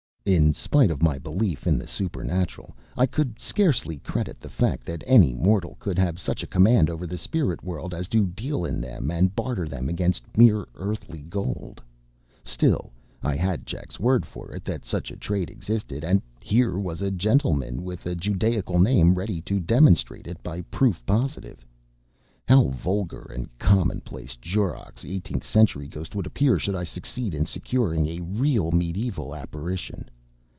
In spite of my belief in the supernatural, I could scarcely credit the fact that any mortal could have such a command over the spirit world as to deal in them and barter them against mere earthly gold. Still, I had Jack's word for it that such a trade existed; and here was a gentleman with a Judaical name ready to demonstrate it by proof positive. How vulgar and commonplace Jorrock's eighteenth century ghost would appear should I succeed in securing a real mediæval apparition!